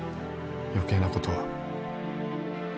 余計なことは